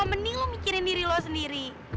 meni lo mikirin diri lo sendiri